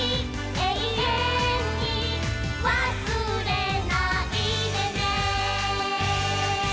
「永遠に忘れないでね」